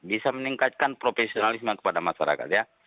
bisa meningkatkan profesionalisme kepada masyarakat ya